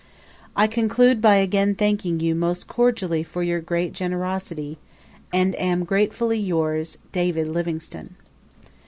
I conclude by again thanking you most cordially for your great generosity, and am, Gratefully yours, David Livingstone.